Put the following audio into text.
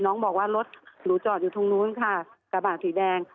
น้องบอกว่ารถหนูจอดอยู่ตรงนู้นค่ะกระบะสีแดง